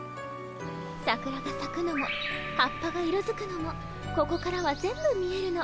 さくらがさくのも葉っぱが色づくのもここからは全部見えるの。